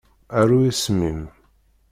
Aru isem-im.